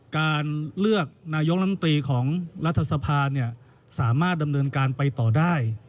การเลือกนายกลำตีของรัฐสภาสามารถดำเนินการไปต่อได้